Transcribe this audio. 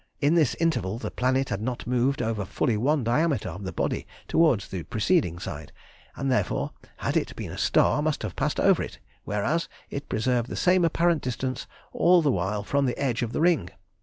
In this interval the planet had moved over fully one diameter of the body towards the preceding side, and, therefore, had it been a star, must have passed over it, whereas it preserved the same apparent distance all the while from the edge of the ring.